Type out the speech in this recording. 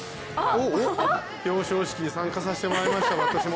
表彰式に参加させてもらいました私も。